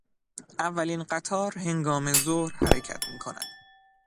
اولین قطار هنگام ظهر حرکت میکند.